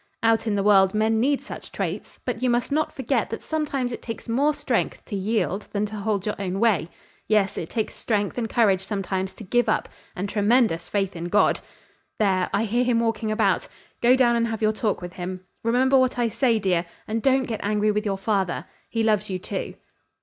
Out in the world men need such traits; but you must not forget that sometimes it takes more strength to yield than to hold your own way. Yes, it takes strength and courage sometimes to give up and tremendous faith in God. There! I hear him walking about. Go down and have your talk with him. Remember what I say, dear, and don't get angry with your father. He loves you, too."